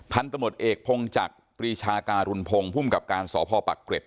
พันธมตเอกพงจักรปรีชาการุณพงศ์ภูมิกับการสพปักเกร็ด